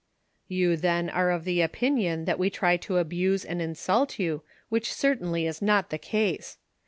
" You, then, are of the opinion that we try to abuse and insult you, which certainly is not the case.